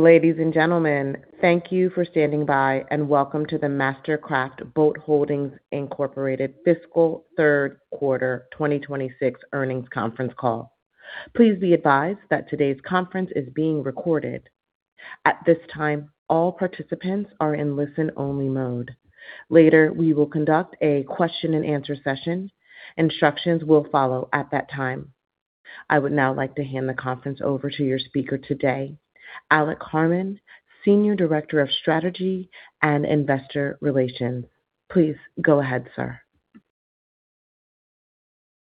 Ladies and gentlemen, thank you for standing by, and welcome to the MasterCraft Boat Holdings, Inc. Fiscal Third Quarter 2026 earnings conference call. Please be advised that today's conference is being recorded. At this time, all participants are in listen-only mode. Later, we will conduct a question-and-answer session. Instructions will follow at that time. I would now like to hand the conference over to your speaker today, Alec Harmon, Senior Director of Strategy and Investor Relations. Please go ahead, sir.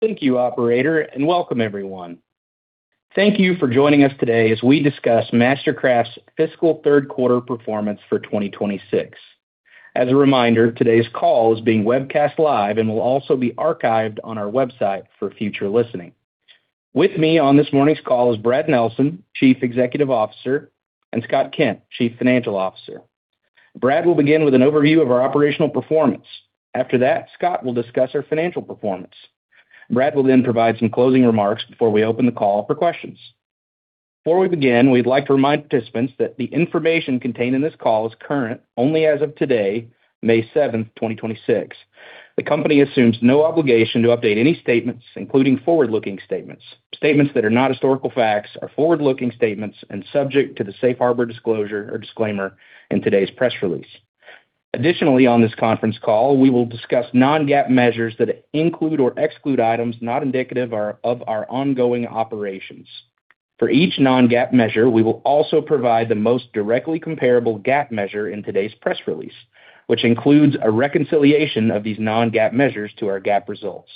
Thank you, Operator, and welcome everyone. Thank you for joining us today as we discuss MasterCraft's fiscal third quarter performance for 2026. As a reminder, today's call is being webcast live and will also be archived on our website for future listening. With me on this morning's call is Brad Nelson, Chief Executive Officer, and Scott Kent, Chief Financial Officer. Brad will begin with an overview of our operational performance. After that, Scott will discuss our financial performance. Brad will then provide some closing remarks before we open the call for questions. Before we begin, we'd like to remind participants that the information contained in this call is current only as of today, May 7th, 2026. The company assumes no obligation to update any statements, including forward-looking statements. Statements that are not historical facts are forward-looking statements and subject to the safe harbor disclosure or disclaimer in today's press release. Additionally, on this conference call, we will discuss non-GAAP measures that include or exclude items not indicative of our ongoing operations. For each non-GAAP measure, we will also provide the most directly comparable GAAP measure in today's press release, which includes a reconciliation of these non-GAAP measures to our GAAP results.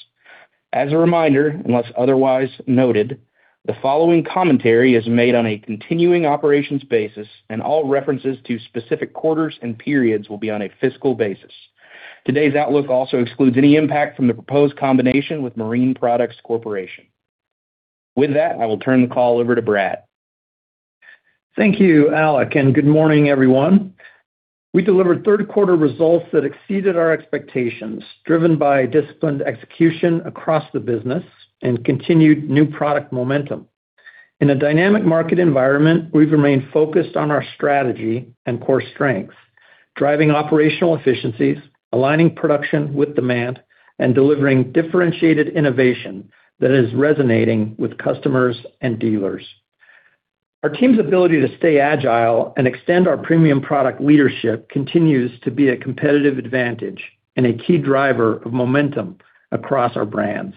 As a reminder, unless otherwise noted, the following commentary is made on a continuing operations basis and all references to specific quarters and periods will be on a fiscal basis. Today's outlook also excludes any impact from the proposed combination with Marine Products Corporation. With that, I will turn the call over to Brad. Thank you, Alec, and good morning, everyone. We delivered third quarter results that exceeded our expectations, driven by disciplined execution across the business and continued new product momentum. In a dynamic market environment, we've remained focused on our strategy and core strengths, driving operational efficiencies, aligning production with demand, and delivering differentiated innovation that is resonating with customers and dealers. Our team's ability to stay agile and extend our premium product leadership continues to be a competitive advantage and a key driver of momentum across our brands.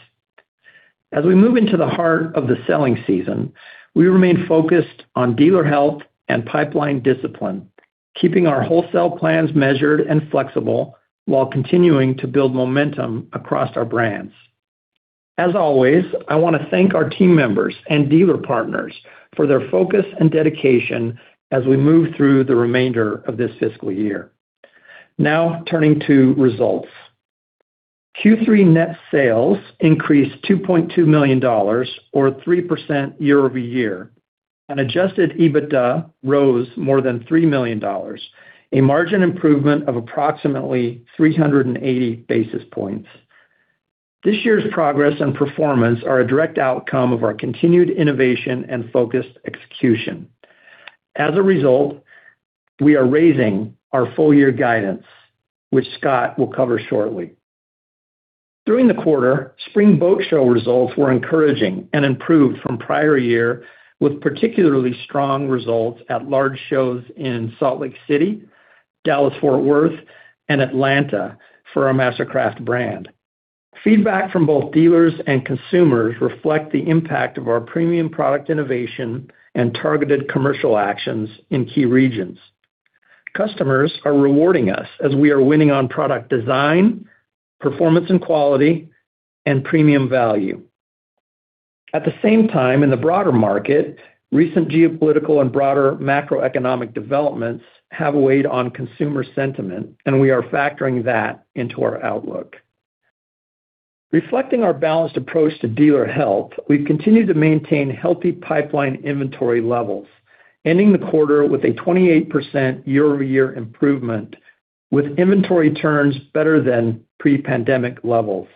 As we move into the heart of the selling season, we remain focused on dealer health and pipeline discipline, keeping our wholesale plans measured and flexible while continuing to build momentum across our brands. As always, I want to thank our team members and dealer partners for their focus and dedication as we move through the remainder of this fiscal year. Turning to results. Q3 net sales increased $2.2 million or 3% year-over-year, adjusted EBITDA rose more than $3 million, a margin improvement of approximately 380 basis points. This year's progress and performance are a direct outcome of our continued innovation and focused execution. We are raising our full year guidance, which Scott will cover shortly. During the quarter, Spring Boat Show results were encouraging and improved from prior year with particularly strong results at large shows in Salt Lake City, Dallas-Fort Worth, and Atlanta for our MasterCraft brand. Feedback from both dealers and consumers reflect the impact of our premium product innovation and targeted commercial actions in key regions. Customers are rewarding us as we are winning on product design, performance and quality, and premium value. At the same time, in the broader market, recent geopolitical and broader macroeconomic developments have weighed on consumer sentiment. We are factoring that into our outlook. Reflecting our balanced approach to dealer health, we've continued to maintain healthy pipeline inventory levels, ending the quarter with a 28% year-over-year improvement with inventory turns better than pre-pandemic levels.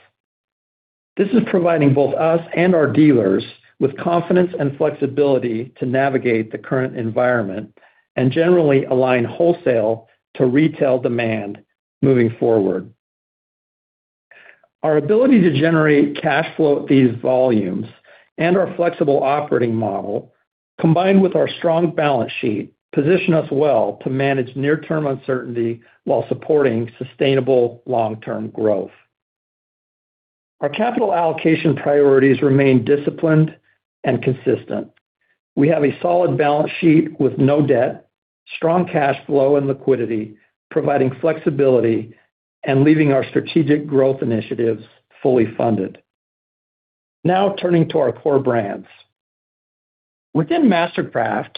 This is providing both us and our dealers with confidence and flexibility to navigate the current environment and generally align wholesale to retail demand moving forward. Our ability to generate cash flow at these volumes and our flexible operating model, combined with our strong balance sheet, position us well to manage near-term uncertainty while supporting sustainable long-term growth. Our capital allocation priorities remain disciplined and consistent. We have a solid balance sheet with no debt, strong cash flow and liquidity, providing flexibility and leaving our strategic growth initiatives fully funded. Turning to our core brands. Within MasterCraft,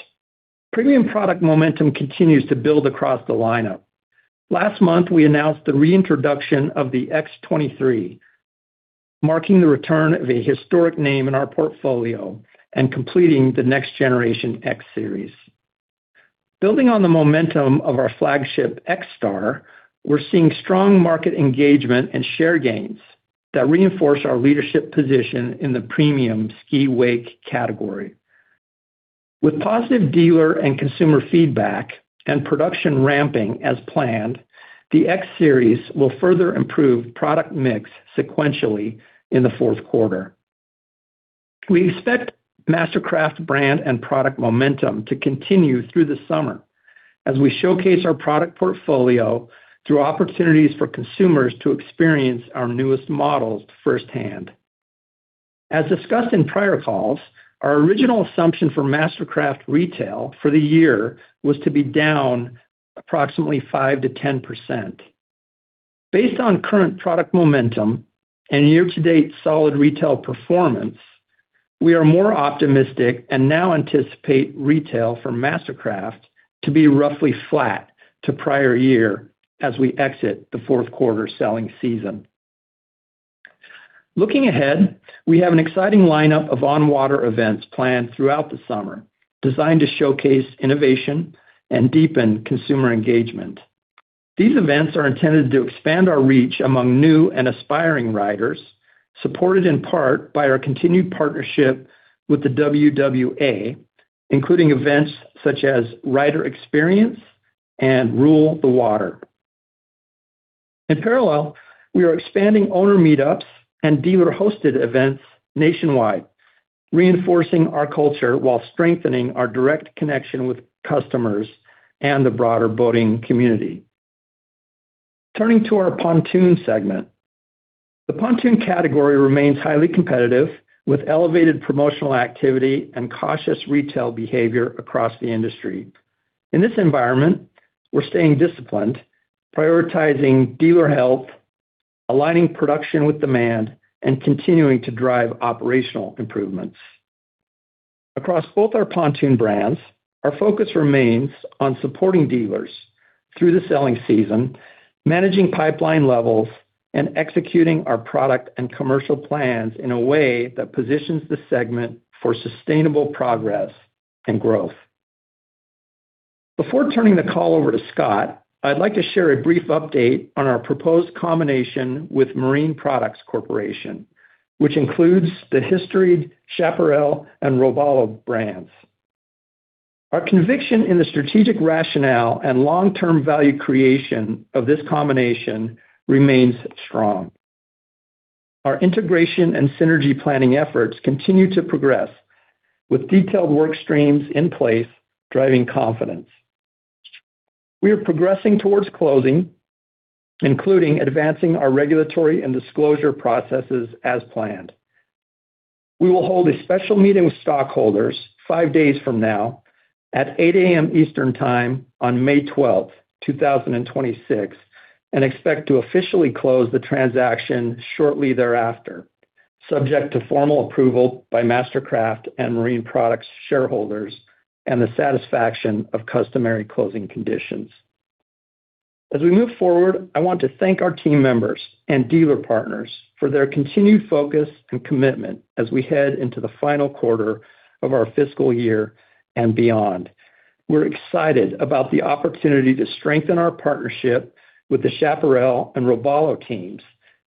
premium product momentum continues to build across the lineup. Last month, we announced the reintroduction of the X23, marking the return of a historic name in our portfolio and completing the next generation X Series. Building on the momentum of our flagship XStar, we're seeing strong market engagement and share gains that reinforce our leadership position in the premium ski wake category. With positive dealer and consumer feedback and production ramping as planned, the X Series will further improve product mix sequentially in the fourth quarter. We expect MasterCraft brand and product momentum to continue through the summer as we showcase our product portfolio through opportunities for consumers to experience our newest models firsthand. As discussed in prior calls, our original assumption for MasterCraft retail for the year was to be down approximately 5%-10%. Based on current product momentum and year-to-date solid retail performance, we are more optimistic and now anticipate retail for MasterCraft to be roughly flat to prior year as we exit the fourth quarter selling season. Looking ahead, we have an exciting lineup of on-water events planned throughout the summer designed to showcase innovation and deepen consumer engagement. These events are intended to expand our reach among new and aspiring riders, supported in part by our continued partnership with the WWA, including events such as Rider Experience and Rule the Water. In parallel, we are expanding owner meetups and dealer-hosted events nationwide, reinforcing our culture while strengthening our direct connection with customers and the broader boating community. Turning to our pontoon segment. The pontoon category remains highly competitive, with elevated promotional activity and cautious retail behavior across the industry. In this environment, we're staying disciplined, prioritizing dealer health, aligning production with demand, and continuing to drive operational improvements. Across both our pontoon brands, our focus remains on supporting dealers through the selling season, managing pipeline levels, and executing our product and commercial plans in a way that positions the segment for sustainable progress and growth. Before turning the call over to Scott Kent, I'd like to share a brief update on our proposed combination with Marine Products Corporation, which includes the historic Chaparral, and Robalo brands. Our conviction in the strategic rationale and long-term value creation of this combination remains strong. Our integration and synergy planning efforts continue to progress, with detailed work streams in place driving confidence. We are progressing towards closing, including advancing our regulatory and disclosure processes as planned. We will hold a special meeting with stockholders five days from now at 8:00 A.M. Eastern time on May 12th, 2026, and expect to officially close the transaction shortly thereafter, subject to formal approval by MasterCraft and Marine Products shareholders and the satisfaction of customary closing conditions. As we move forward, I want to thank our team members and dealer partners for their continued focus and commitment as we head into the final quarter of our fiscal year and beyond. We're excited about the opportunity to strengthen our partnership with the Chaparral and Robalo teams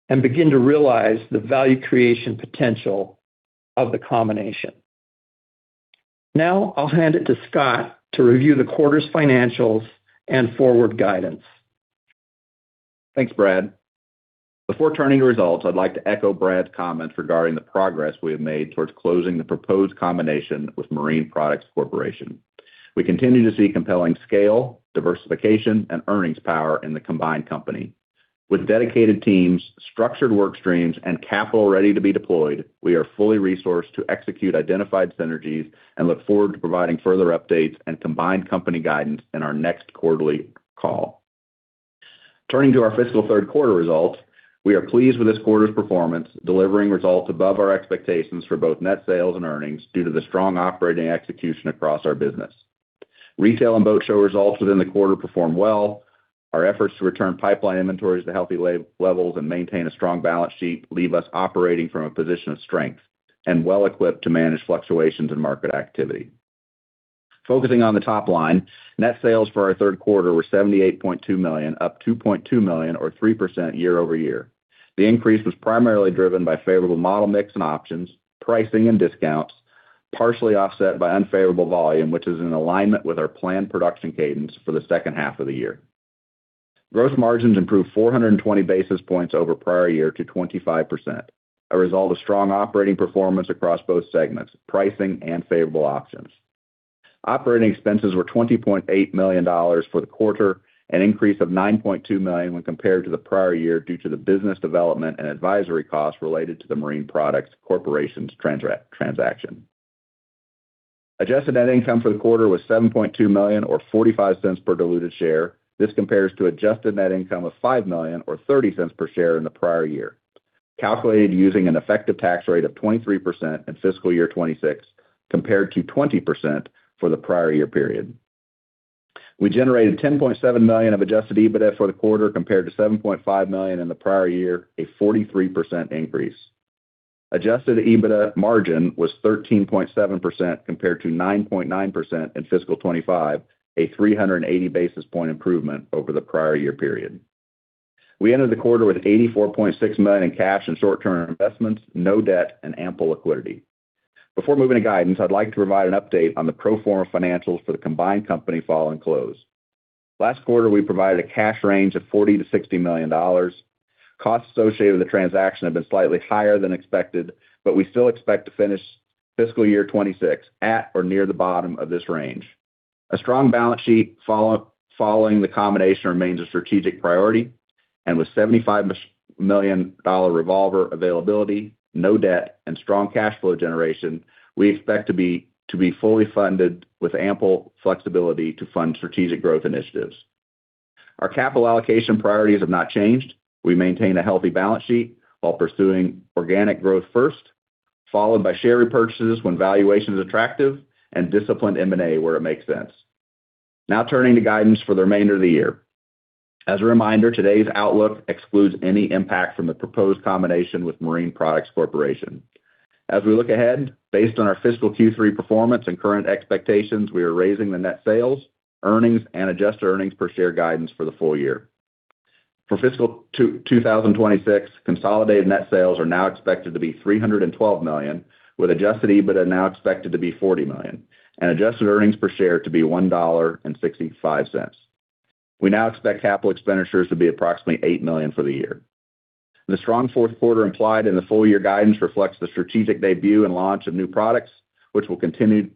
and begin to realize the value creation potential of the combination. Now I'll hand it to Scott to review the quarter's financials and forward guidance. Thanks, Brad. Before turning to results, I'd like to echo Brad's comments regarding the progress we have made towards closing the proposed combination with Marine Products Corporation. We continue to see compelling scale, diversification, and earnings power in the combined company. With dedicated teams, structured work streams, and capital ready to be deployed, we are fully resourced to execute identified synergies and look forward to providing further updates and combined company guidance in our next quarterly call. Turning to our fiscal third quarter results, we are pleased with this quarter's performance, delivering results above our expectations for both net sales and earnings due to the strong operating execution across our business. Retail and boat show results within the quarter performed well. Our efforts to return pipeline inventories to healthy levels and maintain a strong balance sheet leave us operating from a position of strength and well equipped to manage fluctuations in market activity. Focusing on the top line, net sales for our third quarter were $78.2 million, up $2.2 million or 3% year-over-year. The increase was primarily driven by favorable model mix and options, pricing and discounts, partially offset by unfavorable volume, which is in alignment with our planned production cadence for the second half of the year. Gross margins improved 420 basis points over prior year to 25%, a result of strong operating performance across both segments, pricing and favorable options. Operating expenses were $28.8 million for the quarter, an increase of $9.2 million when compared to the prior year due to the business development and advisory costs related to the Marine Products Corporation's transaction. Adjusted Net Income for the quarter was $7.2 million or $0.45 per diluted share. This compares to Adjusted Net Income of $5 million or $0.30 per share in the prior year, calculated using an effective tax rate of 23% in fiscal year 2026 compared to 20% for the prior year period. We generated $10.7 million of adjusted EBITDA for the quarter compared to $7.5 million in the prior year, a 43% increase. Adjusted EBITDA margin was 13.7% compared to 9.9% in fiscal 2025, a 380 basis point improvement over the prior year period. We ended the quarter with $84.6 million in cash and short-term investments, no debt, and ample liquidity. Before moving to guidance, I'd like to provide an update on the pro forma financials for the combined company following close. Last quarter, we provided a cash range of $40 million-$60 million. Costs associated with the transaction have been slightly higher than expected, but we still expect to finish fiscal year 2026 at or near the bottom of this range. A strong balance sheet following the combination remains a strategic priority, and with $75 million revolver availability, no debt, and strong cash flow generation, we expect to be fully funded with ample flexibility to fund strategic growth initiatives. Our capital allocation priorities have not changed. We maintain a healthy balance sheet while pursuing organic growth first, followed by share repurchases when valuation is attractive and disciplined M&A where it makes sense. Turning to guidance for the remainder of the year. As a reminder, today's outlook excludes any impact from the proposed combination with Marine Products Corporation. We look ahead, based on our fiscal Q3 performance and current expectations, we are raising the net sales, earnings, and Adjusted Earnings Per Share guidance for the full year. For fiscal 2026, consolidated net sales are now expected to be $312 million, with adjusted EBITDA now expected to be $40 million, and Adjusted Earnings Per Share to be $1.65. We now expect capital expenditures to be approximately $8 million for the year. The strong fourth quarter implied in the full-year guidance reflects the strategic debut and launch of new products, which will continue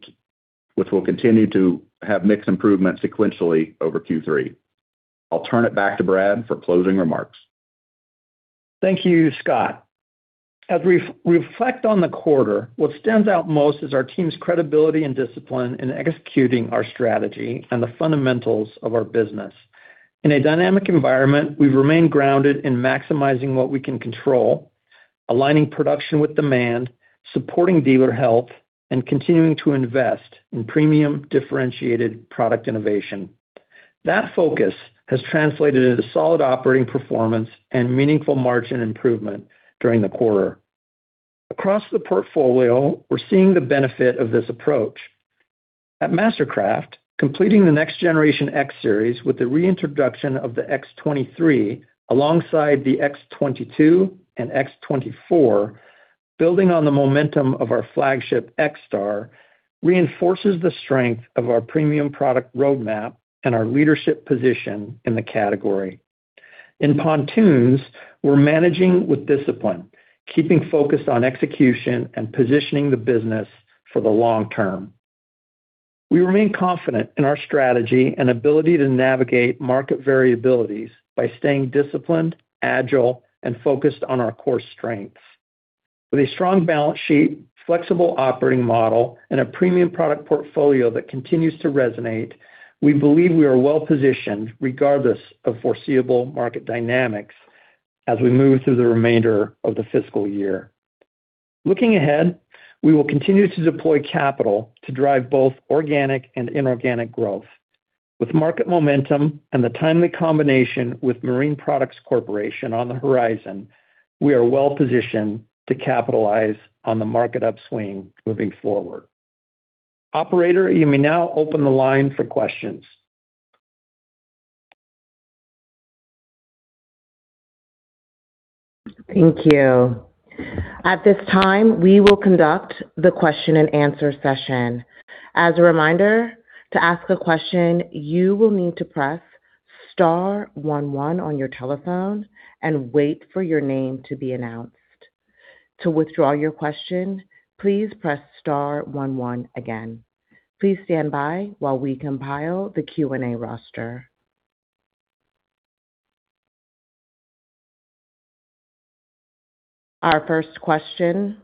to have mixed improvements sequentially over Q3. I'll turn it back to Brad for closing remarks. Thank you, Scott. As we reflect on the quarter, what stands out most is our team's credibility and discipline in executing our strategy and the fundamentals of our business. In a dynamic environment, we've remained grounded in maximizing what we can control, aligning production with demand, supporting dealer health, and continuing to invest in premium differentiated product innovation. That focus has translated into solid operating performance and meaningful margin improvement during the quarter. Across the portfolio, we're seeing the benefit of this approach. At MasterCraft, completing the next generation X Series with the reintroduction of the X23 alongside the X22 and X24, building on the momentum of our flagship XStar reinforces the strength of our premium product roadmap and our leadership position in the category. In Pontoons, we're managing with discipline, keeping focused on execution and positioning the business for the long term. We remain confident in our strategy and ability to navigate market variabilities by staying disciplined, agile, and focused on our core strengths. With a strong balance sheet, flexible operating model, and a premium product portfolio that continues to resonate, we believe we are well-positioned regardless of foreseeable market dynamics as we move through the remainder of the fiscal year. Looking ahead, we will continue to deploy capital to drive both organic and inorganic growth. With market momentum and the timely combination with Marine Products Corporation on the horizon, we are well-positioned to capitalize on the market upswing moving forward. Operator, you may now open the line for questions. Thank you. At this time, we will conduct the question-and-answer session. As a reminder, to ask a question, you will need to press star one one on your telephone and wait for your name to be announced. To withdraw your question, please press star one one again. Please stand by while we compile the Q&A roster. Our first question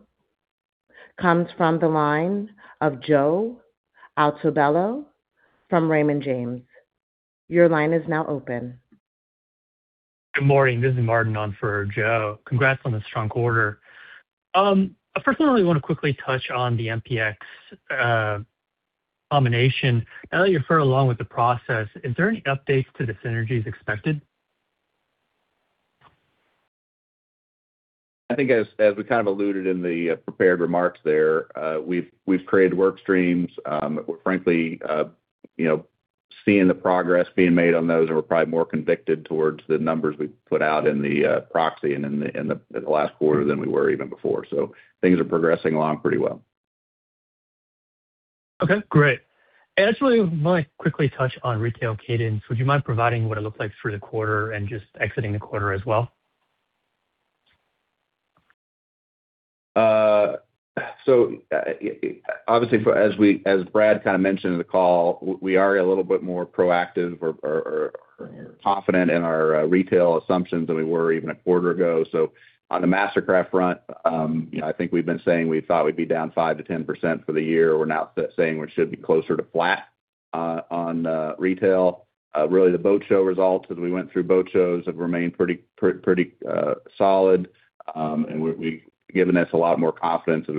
comes from the line of Joe Altobello from Raymond James. Your line is now open. Good morning. This is Martin on for Joe. Congrats on the strong quarter. I personally want to quickly touch on the MPX combination. Now that you're further along with the process, is there any updates to the synergies expected? I think as we kind of alluded in the prepared remarks there, we've created work streams. We're frankly, you know, seeing the progress being made on those, and we're probably more convicted towards the numbers we put out in the proxy and in the last quarter than we were even before. Things are progressing along pretty well. Okay, great. Actually, I might quickly touch on retail cadence. Would you mind providing what it looked like through the quarter and just exiting the quarter as well? Obviously, for as Brad kind of mentioned in the call, we are a little bit more proactive or confident in our retail assumptions than we were even a quarter ago. On the MasterCraft front, you know, I think we've been saying we thought we'd be down 5%-10% for the year. We're now saying we should be closer to flat. On retail, really the boat show results as we went through boat shows have remained pretty solid. Given us a lot more confidence as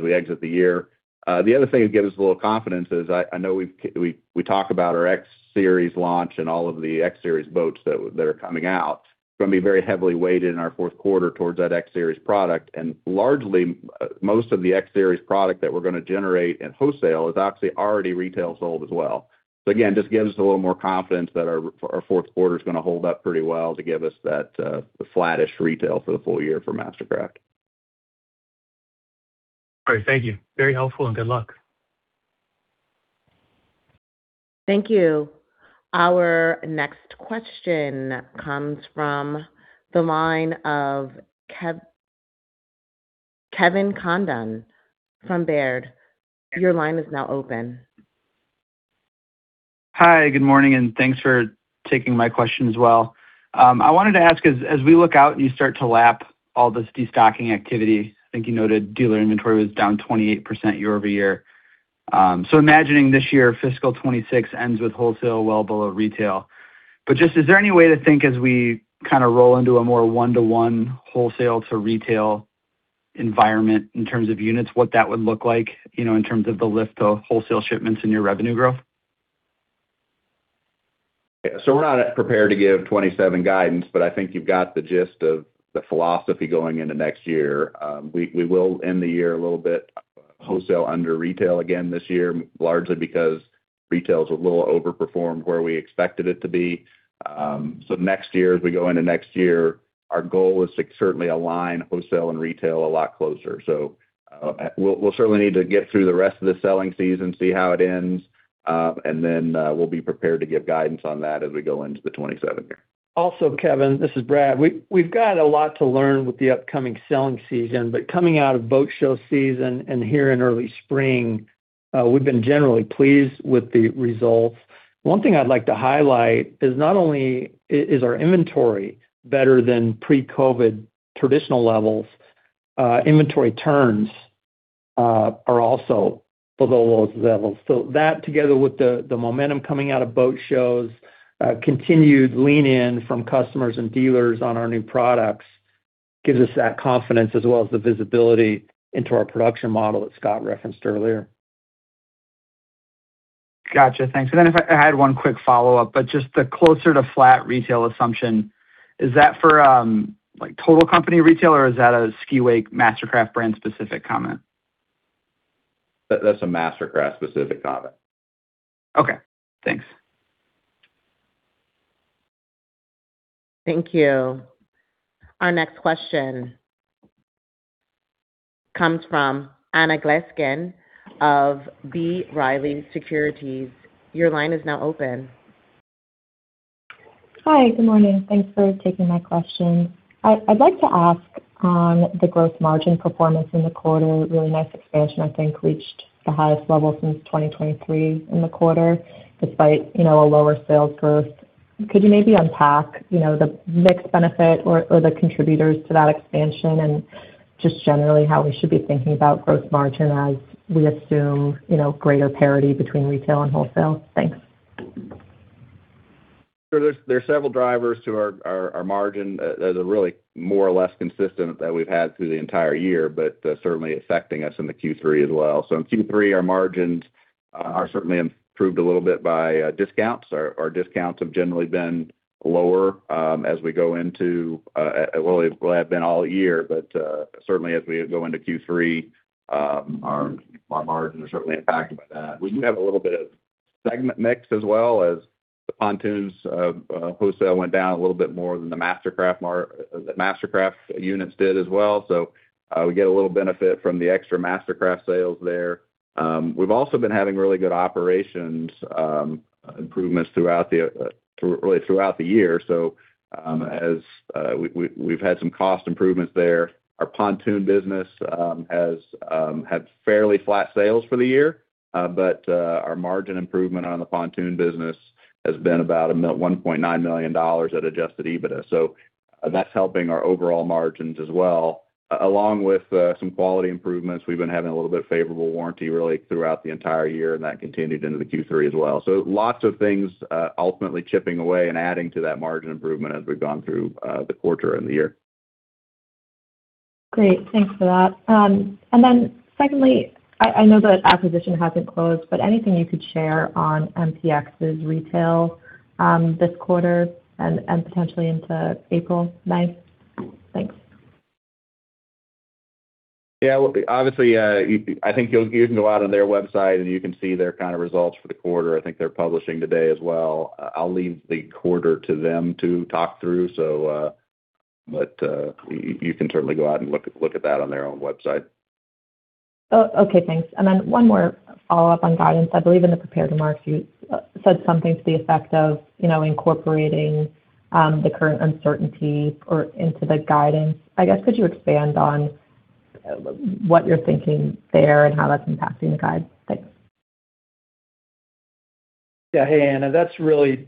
we exit the year. The other thing that gives us a little confidence is I know we talk about our X Series launch and all of the X Series boats that are coming out. It's gonna be very heavily weighted in our fourth quarter towards that X Series product. Largely, most of the X Series product that we're gonna generate in wholesale is actually already retail sold as well. Again, just gives us a little more confidence that our fourth quarter is gonna hold up pretty well to give us that the flattish retail for the full year for MasterCraft. All right. Thank you. Very helpful, and good luck. Thank you. Our next question comes from the line of Kevin Condon from Baird. Your line is now open. Hi, good morning, thanks for taking my question as well. I wanted to ask, as we look out and you start to lap all this destocking activity, I think you noted dealer inventory was down 28% year-over-year. Imagining this year, fiscal 2026 ends with wholesale well below retail. Just is there any way to think as we kind of roll into a more one-to-one wholesale to retail environment in terms of units, what that would look like, you know, in terms of the lift of wholesale shipments in your revenue growth? We're not prepared to give 2027 guidance, but I think you've got the gist of the philosophy going into next year. We will end the year a little bit wholesale under retail again this year, largely because retail is a little overperformed where we expected it to be. Next year, as we go into next year, our goal is to certainly align wholesale and retail a lot closer. We'll certainly need to get through the rest of the selling season, see how it ends, and then we'll be prepared to give guidance on that as we go into the 2027 year. Kevin, this is Brad. We've got a lot to learn with the upcoming selling season, coming out of boat show season and here in early spring, we've been generally pleased with the results. One thing I'd like to highlight is not only is our inventory better than pre-COVID traditional levels, inventory turns are also below those levels. That together with the momentum coming out of boat shows, continued lean in from customers and dealers on our new products, gives us that confidence as well as the visibility into our production model that Scott referenced earlier. Got you. Thanks. If I had one quick follow-up, but just the closer to flat retail assumption, is that for, like total company retail, or is that a Ski Wake MasterCraft brand specific comment? That's a MasterCraft specific comment. Okay, thanks. Thank you. Our next question comes from Anna Glaessgen of B. Riley Securities. Your line is now open. Hi, good morning. Thanks for taking my question. I'd like to ask on the gross margin performance in the quarter. Really nice expansion, I think, reached the highest level since 2023 in the quarter, despite, you know, a lower sales growth. Could you maybe unpack, you know, the mix benefit or the contributors to that expansion and just generally how we should be thinking about gross margin as we assume, you know, greater parity between retail and wholesale? Thanks. There's several drivers to our margin. They're really more or less consistent that we've had through the entire year, but certainly affecting us in the Q3 as well. In Q3, our margins are certainly improved a little bit by discounts. Our discounts have generally been lower as we go into, it will have been all year, but certainly as we go into Q3, our margins are certainly impacted by that. We do have a little bit of segment mix as well as the pontoons of wholesale went down a little bit more than the MasterCraft units did as well. We get a little benefit from the extra MasterCraft sales there. We've also been having really good operations improvements throughout the really throughout the year. As we've had some cost improvements there. Our pontoon business has had fairly flat sales for the year, but our margin improvement on the pontoon business has been about $1.9 million at adjusted EBITDA. That's helping our overall margins as well. Along with some quality improvements, we've been having a little bit favorable warranty really throughout the entire year, and that continued into the Q3 as well. Lots of things ultimately chipping away and adding to that margin improvement as we've gone through the quarter and the year. Great. Thanks for that. Secondly, I know the acquisition hasn't closed, but anything you could share on MPC's retail this quarter and potentially into April 9th? Thanks. Yeah. Well, obviously, I think you can go out on their website, and you can see their kind of results for the quarter. I think they're publishing today as well. I'll leave the quarter to them to talk through. You can certainly go out and look at that on their own website. Oh, okay, thanks. One more follow-up on guidance. I believe in the prepared remarks, you said something to the effect of, you know, incorporating the current uncertainty into the guidance. I guess, could you expand on what you're thinking there and how that's impacting the guide? Thanks. Yeah. Hey, Anna. That's really,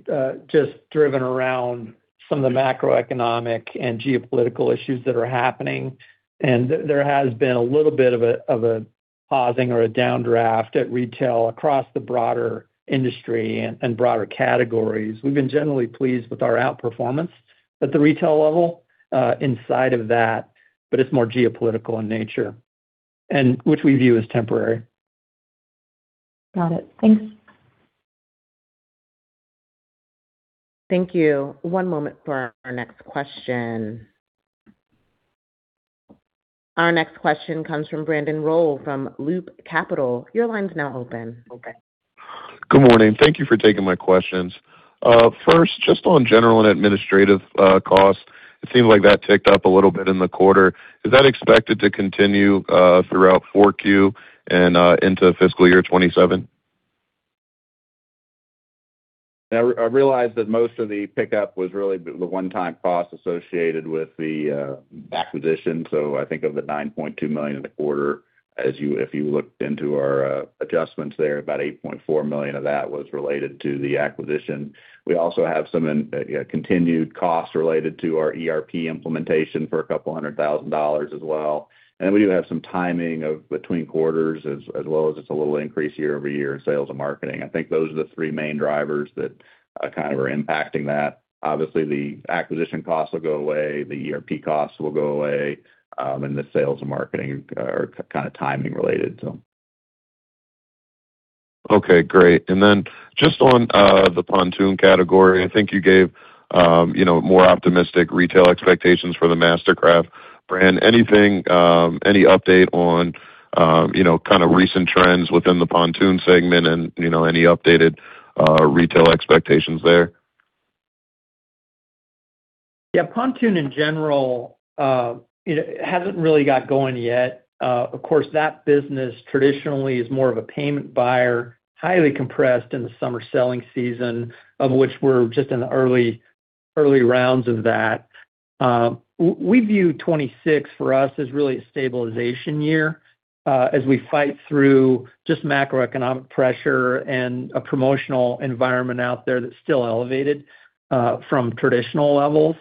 just driven around some of the macroeconomic and geopolitical issues that are happening. There has been a little bit of a pausing or a downdraft at retail across the broader industry and broader categories. We've been generally pleased with our outperformance at the retail level, inside of that, but it's more geopolitical in nature, and which we view as temporary. Got it. Thanks. Thank you. One moment for our next question. Our next question comes from Brandon Rollé from Loop Capital. Your line's now open. Good morning. Thank you for taking my questions. First, just on general and administrative costs, it seems like that ticked up a little bit in the quarter. Is that expected to continue throughout four Q and into fiscal year 2027? Yeah. I realize that most of the pickup was really the one-time cost associated with the acquisition. I think of the $9.2 million in the quarter, if you looked into our adjustments there, about $8.4 million of that was related to the acquisition. We also have some continued costs related to our ERP implementation for $200,000 as well. We do have some timing of between quarters, as well as just a little increase year-over-year in sales and marketing. I think those are the three main drivers that kind of are impacting that. Obviously, the acquisition costs will go away, the ERP costs will go away, the sales and marketing are kind of timing related. Okay, great. Just on the pontoon category, I think you gave, you know, more optimistic retail expectations for the MasterCraft brand. Anything, any update on, you know, kind of recent trends within the pontoon segment and, you know, any updated retail expectations there? Yeah. Pontoon in general, you know, hasn't really got going yet. Of course that business traditionally is more of a payment buyer, highly compressed in the summer selling season, of which we're just in the early rounds of that. We view 2026 for us as really a stabilization year, as we fight through just macroeconomic pressure and a promotional environment out there that's still elevated from traditional levels.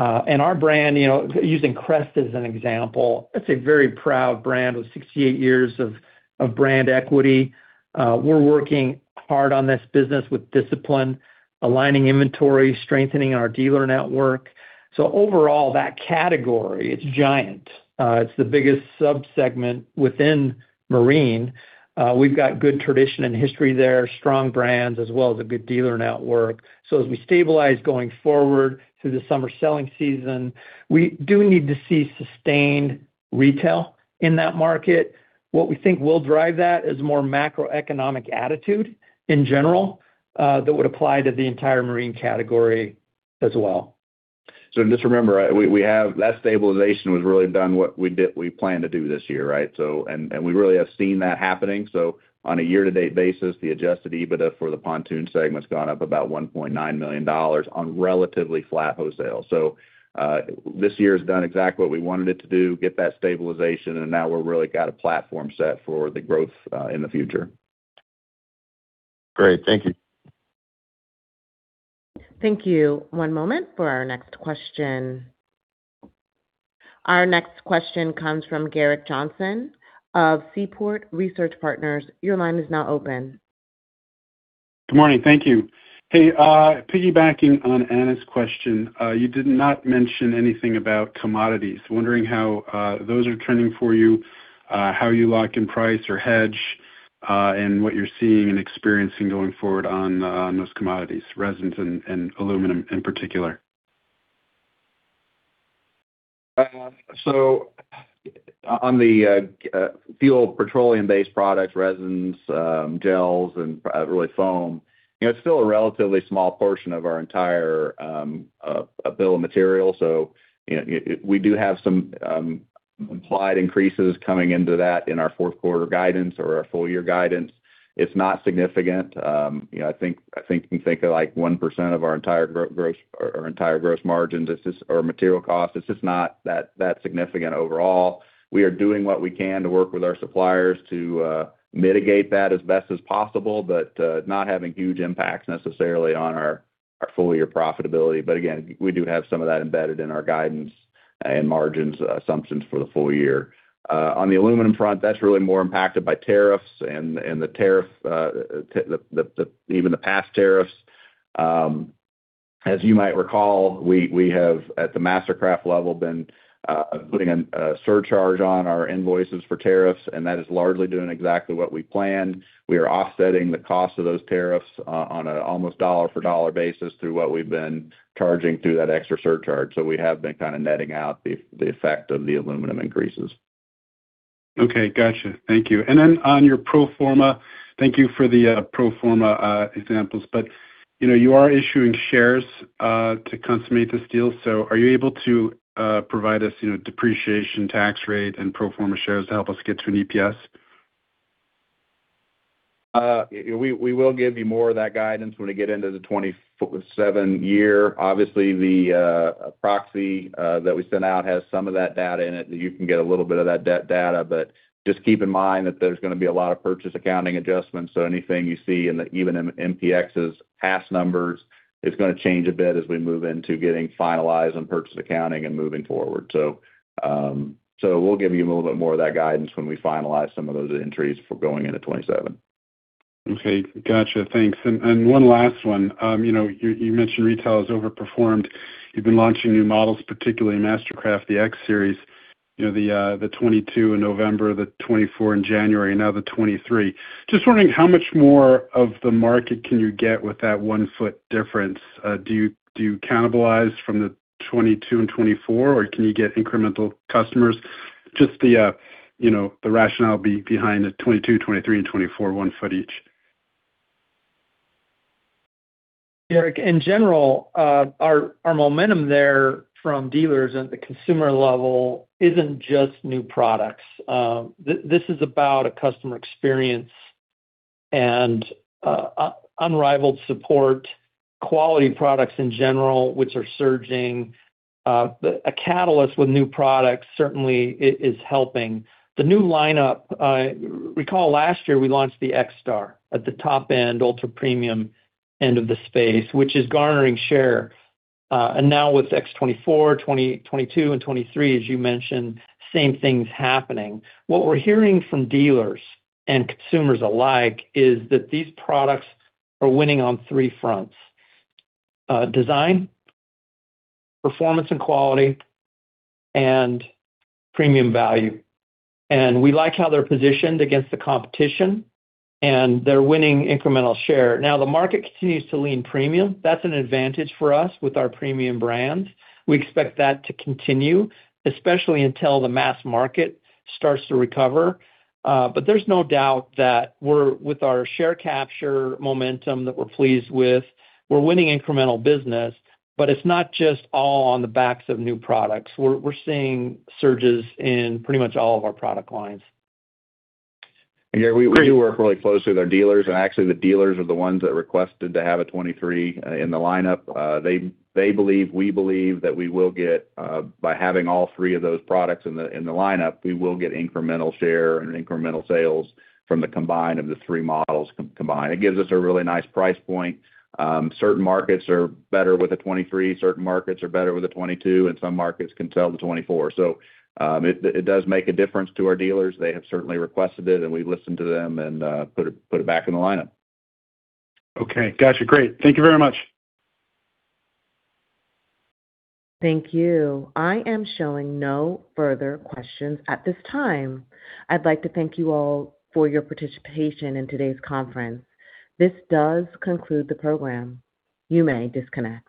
Our brand, you know, using Crest as an example, it's a very proud brand with 68 years of brand equity. We're working hard on this business with discipline, aligning inventory, strengthening our dealer network. Overall, that category, it's giant. It's the biggest subsegment within marine. We've got good tradition and history there, strong brands, as well as a good dealer network. As we stabilize going forward through the summer selling season, we do need to see sustained retail in that market. What we think will drive that is more macroeconomic attitude in general, that would apply to the entire marine category as well. Just remember, we have that stabilization was really what we planned to do this year, right? We really have seen that happening. On a year-to-date basis, the adjusted EBITDA for the pontoon segment's gone up about $1.9 million on relatively flat wholesale. This year has done exactly what we wanted it to do, get that stabilization, and now we're really got a platform set for the growth in the future. Great. Thank you. Thank you. One moment for our next question. Our next question comes from Gerrick Johnson of Seaport Research Partners. Your line is now open. Good morning. Thank you. Hey, piggybacking on Anna's question, you did not mention anything about commodities. Wondering how those are trending for you, how you lock in price or hedge, and what you're seeing and experiencing going forward on those commodities, resins and aluminum in particular. On the fuel petroleum-based products, resins, gels, and really foam, you know, it's still a relatively small portion of our entire bill of material. You know, we do have some implied increases coming into that in our fourth quarter guidance or our full year guidance. It's not significant. You know, I think, I think you think of like 1% of our entire gross margins or material costs. It's just not that significant overall. We are doing what we can to work with our suppliers to mitigate that as best as possible, but not having huge impacts necessarily on our full year profitability. Again, we do have some of that embedded in our guidance and margins assumptions for the full year. On the aluminum front, that's really more impacted by tariffs and the tariff, even the past tariffs. As you might recall, we have, at the MasterCraft level, been putting a surcharge on our invoices for tariffs, and that is largely doing exactly what we planned. We are offsetting the cost of those tariffs on an almost $1 for $1 basis through what we've been charging through that extra surcharge. We have been kind of netting out the effect of the aluminum increases. Okay. Gotcha. Thank you. On your pro forma, thank you for the pro forma examples. You know, you are issuing shares to consummate this deal. Are you able to provide us, you know, depreciation tax rate and pro forma shares to help us get to an EPS? We will give you more of that guidance when we get into the 2027 year. The proxy that we sent out has some of that data in it that you can get a little bit of that data, but just keep in mind that there's going to be a lot of purchase accounting adjustments, so anything you see even in MPC's past numbers, it's going to change a bit as we move into getting finalized on purchase accounting and moving forward. We'll give you a little bit more of that guidance when we finalize some of those entries for going into 2027. Okay. Gotcha. Thanks. One last one. You know, you mentioned retail has overperformed. You've been launching new models, particularly MasterCraft, the X Series, you know, the X22 in November, the X24 in January, and now the X23. Just wondering how much more of the market can you get with that one foot difference? Do you cannibalize from the X22 and X24, or can you get incremental customers? Just the, you know, the rationale behind the X22, X23, and X24 one foot each. Gerrick, in general, our momentum there from dealers at the consumer level isn't just new products. This is about a customer experience and unrivaled support, quality products in general, which are surging. A catalyst with new products certainly is helping. The new lineup, recall last year we launched the XStar at the top end, ultra-premium end of the space, which is garnering share. Now with X24, X22, and X23, as you mentioned, same thing's happening. What we're hearing from dealers and consumers alike is that these products are winning on three fronts: design, performance and quality, and premium value. We like how they're positioned against the competition, and they're winning incremental share. Now, the market continues to lean premium. That's an advantage for us with our premium brands. We expect that to continue, especially until the mass market starts to recover. There's no doubt that with our share capture momentum that we're pleased with, we're winning incremental business, but it's not just all on the backs of new products. We're seeing surges in pretty much all of our product lines. Yeah, we do work really closely with our dealers, and actually, the dealers are the ones that requested to have a X23 in the lineup. They believe, we believe that we will get by having all three of those products in the lineup, we will get incremental share and incremental sales from the combine of the three models combined. It gives us a really nice price point. Certain markets are better with a X23, certain markets are better with a X22, and some markets can sell the X24. It does make a difference to our dealers. They have certainly requested it, and we listened to them and put it back in the lineup. Okay. Gotcha. Great. Thank you very much. Thank you. I am showing no further questions at this time. I'd like to thank you all for your participation in today's conference. This does conclude the program. You may disconnect.